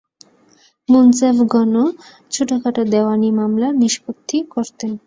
মুন্সেফগণ ছোটখাটো দেওয়ানি মামলা নিষ্পত্তি করতেন।